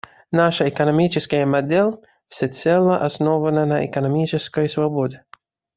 Наша экономическая модель всецело основана на экономической свободе.